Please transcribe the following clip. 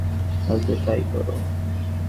আগে তা-ই করো।